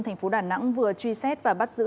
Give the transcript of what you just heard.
thành phố đà nẵng vừa truy xét và bắt giữ